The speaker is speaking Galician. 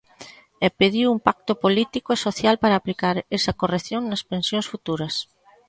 E pediu un pacto político e social para aplicar esa corrección nas pensións futuras.